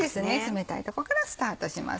冷たいとこからスタートします。